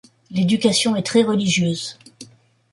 L'éducation est très religieuse.